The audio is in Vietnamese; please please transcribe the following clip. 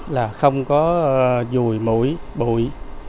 là không có dùi mũi bụi